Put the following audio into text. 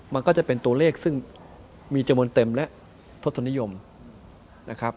มันก็จะเป็นตัวเลขซึ่งมีจำนวนเต็มและทศนิยมนะครับ